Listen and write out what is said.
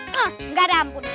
nggak ada ampun